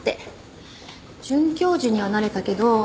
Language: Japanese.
准教授にはなれたけどふとね